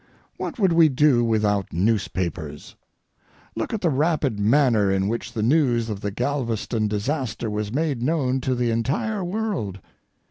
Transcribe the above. What would we do without newspapers? Look at the rapid manner in which the news of the Galveston disaster was made known to the entire world.